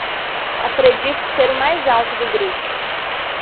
Acredito ser o mais alto do grupo